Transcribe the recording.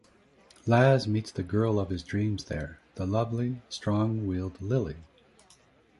Laz meets the girl of his dreams there, the lovely, strong-willed Lily.